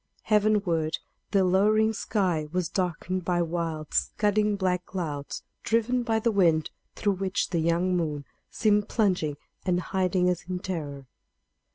Heavenward, the lowering sky was darkened by wild, scudding, black clouds, driven by the wind, through which the young moon seemed plunging and hiding as in terror.